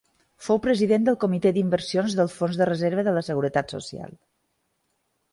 Fou president del Comité d'Inversions del Fons de Reserva de la Seguretat Social.